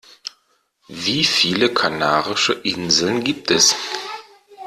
Wie viele Kanarische Inseln gibt es?